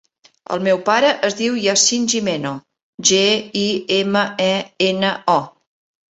El meu pare es diu Yassine Gimeno: ge, i, ema, e, ena, o.